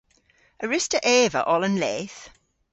A wruss'ta eva oll an leth?